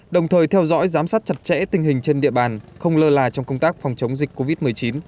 đồng thời theo dõi giám sát chặt chẽ tình hình trên địa bàn không lơ là trong công tác phòng chống dịch covid một mươi chín